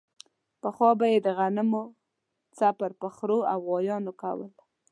پخوا به یې د غنمو څپر په خرو او غوایانو کولو.